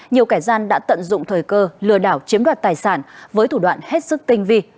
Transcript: nhiều kẻ gian đã tận dụng thời cơ lừa đảo chiếm đoạt tài sản với thủ đoạn hết sức tinh vi